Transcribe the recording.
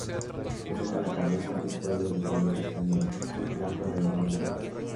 Presenta la cabeza y cuello de color castaño rojizo, blanco alrededor del ojo.